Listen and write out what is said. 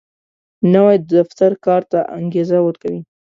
نوی دفتر کار ته انګېزه ورکوي